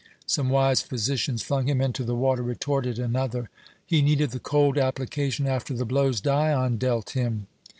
"Some wise physicians flung him into the water," retorted an other; "he needed the cold application after the blows Dion dealt him."